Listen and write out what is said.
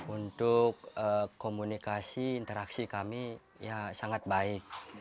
untuk komunikasi interaksi kami ya sangat baik